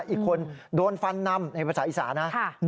อีกคนโดนฟันนำในภาษาอีกภาษาอีกภาษานะ